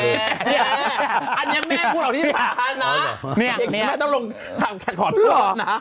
อันนี้แม่พูดเอาที่สาธารณะแม่ต้องลงแคทพอร์ตพอร์ตนะ